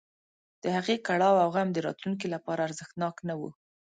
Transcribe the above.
د هغې کړاو او غم د راتلونکي لپاره ارزښتناک نه و.